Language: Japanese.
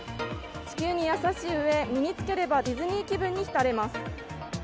地球に優しいうえ、身に着ければディズニー気分に浸れます。